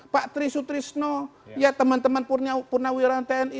pak tri sutrisno ya teman teman purnawira tni